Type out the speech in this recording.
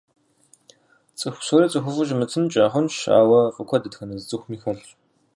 Цӏыху псори цӏыхуфӏу щымытынкӏэ хъунщ, ауэ фӏы гуэр дэтхэнэ зы цӏыхуми хэлъщ.